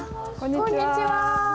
こんにちは。